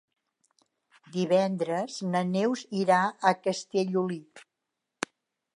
Divendres na Neus irà a Castellolí.